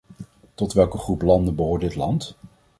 Tot welke groep landen behoort dit land dan?